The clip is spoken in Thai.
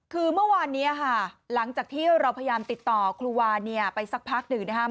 คือเมื่อวานนี้หลังจากที่เราพยายามติดต่อครูวาไปสักพักหนึ่ง